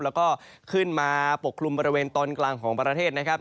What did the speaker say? แล้วก็ขึ้นมาปกคลุมบริเวณตอนกลางของประเทศนะครับ